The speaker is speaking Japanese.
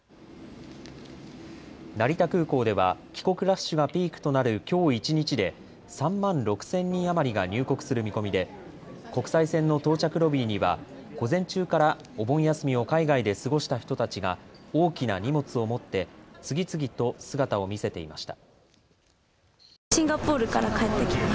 成田空港では帰国ラッシュがピークとなるきょう一日で３万６０００人余りが入国する見込みで国際線の到着ロビーには午前中からお盆休みを海外で過ごした人たちが大きな荷物を持って次々と姿を見せていました。